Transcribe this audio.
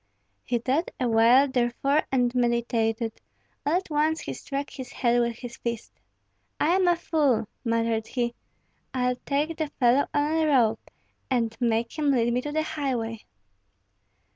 He thought awhile, therefore, and meditated; all at once he struck his head with his fist, "I am a fool!" muttered he. "I'll take the fellow on a rope, and make him lead me to the highway."